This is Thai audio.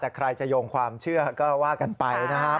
แต่ใครจะโยงความเชื่อก็ว่ากันไปนะครับ